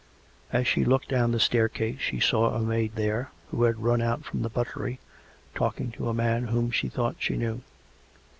As she looked down the staircase, she saw a maid there, who had run out from the buttery, talking to a man whom she thought she knew.